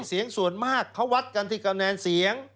เสียงส่วนมากเขาวัดกันที่คะแนนเสียง